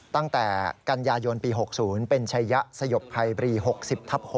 ตั้งแต่กันยายนปี๖๐เป็นชัยยะสยบภัยบรี๖๐ทับ๖